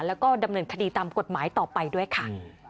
แล้วก็ดำเนินคดีตามกฎหมายต่อไปด้วยค่ะ